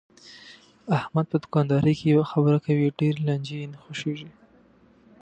احمد په دوکاندارۍ کې یوه خبره کوي، ډېرو لانجې یې نه خوښږي.